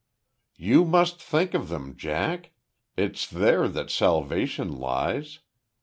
"You must think of them, Jack. It's there that salvation lies.